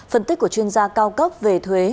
phân tích của chuyên gia cao cấp về thuế